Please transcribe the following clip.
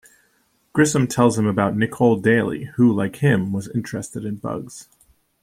Grissom tells him about "Nicole Daley," who, like him, was interested in bugs.